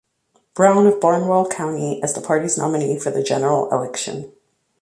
Brown of Barnwell County as the party's nominee for the general election.